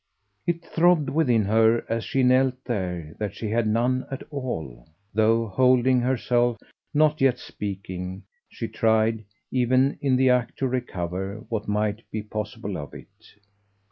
It throbbed within her as she knelt there that she had none at all; though, holding herself, not yet speaking, she tried, even in the act, to recover what might be possible of it.